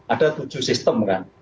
ada tujuh sistem kan